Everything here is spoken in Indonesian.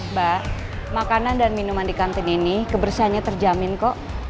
mbak makanan dan minuman di kantin ini kebersihannya terjamin kok